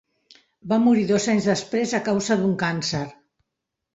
Va morir dos anys després a causa d'un càncer.